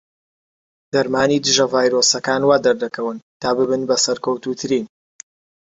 دەرمانی دژە ڤایرۆسیەکان وادەردەکەون تا ببن بە سەرکەوتووترین.